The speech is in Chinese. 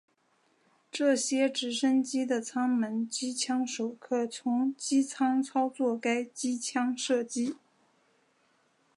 这些直升机的舱门机枪手可从机舱操作该机枪射击。